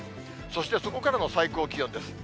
そして、そこからの最高気温です。